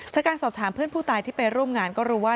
จากการสอบถามเพื่อนผู้ตายที่ไปร่วมงานก็รู้ว่า